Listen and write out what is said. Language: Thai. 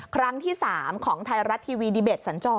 ครั้งที่๓ของไทยรัฐทีวีดีเบตสัญจร